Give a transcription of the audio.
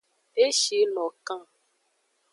E shi no kan.